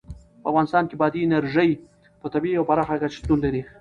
په افغانستان کې بادي انرژي په طبیعي او پراخه کچه شتون لري.